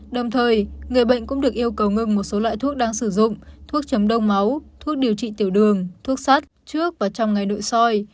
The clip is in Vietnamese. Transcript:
đồng thời người bệnh cũng được yêu cầu ngừng một số loại thuốc đang sử dụng thuốc chấm đông máu thuốc điều trị tiểu đường thuốc sắt trước và trong ngày nội soi